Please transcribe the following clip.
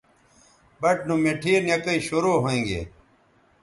بَٹ نو مٹھے نکئ شروع ھویں گے